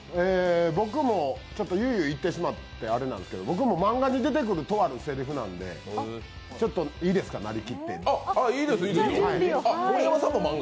僕も、ゆいゆいいってしまってあれなんですけど僕も漫画に出てくるとあるせりふなので、いいですか、なりきって。